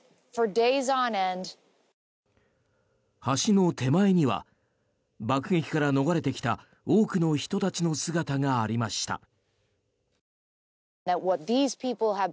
橋の手前には爆撃から逃れてきた多くの人たちの姿がありました。